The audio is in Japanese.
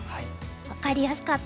分かりやすかったです。